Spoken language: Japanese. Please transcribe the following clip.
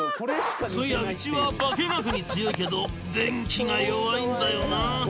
「そういやうちは化学に強いけど電気が弱いんだよな。」